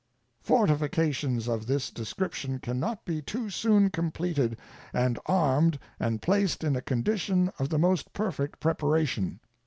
Fortifications of this description can not be too soon completed and armed and placed in a condition of the most perfect preparation.